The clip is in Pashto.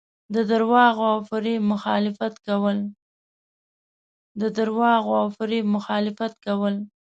د درواغو او فریب مخالفت کول.